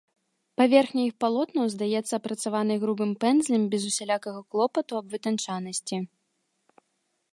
Паверхня іх палотнаў здаецца апрацаванай грубым пэндзлем без усялякага клопату аб вытанчанасці.